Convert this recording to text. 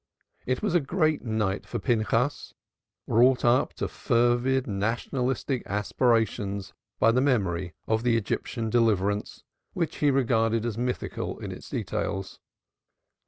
It was a great night for Pinchas; wrought up to fervid nationalistic aspirations by the memory of the Egyptian deliverance, which he yet regarded as mythical in its details.